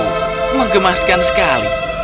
oh mengemaskan sekali